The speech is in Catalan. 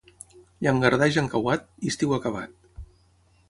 Llangardaix encauat, estiu acabat.